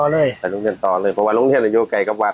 เลยไปลุ้นกันต่อเลยเพราะว่าโรงเรียนอยู่ไกลกับวัด